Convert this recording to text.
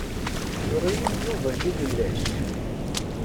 Yuɣ-iyi-d Yuba tilellac.